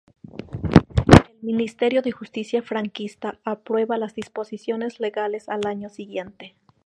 El Ministerio de Justicia franquista aprueba las disposiciones legales al año siguiente.